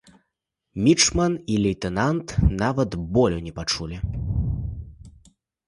Мічман і лейтэнант нават болю не пачулі.